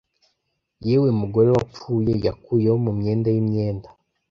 yewe mugore wapfuye yakuyeho mumyenda yimyenda